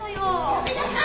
やめなさい！